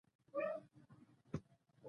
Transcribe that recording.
چې پۀ نتېجه کښې ايريکټائل ډسفنکشن پېدا کيږي